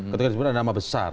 ketika di sebelah ada nama besar